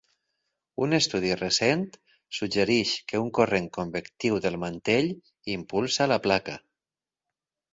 Un estudi recent suggereix que un corrent convectiu del mantell impulsa la placa.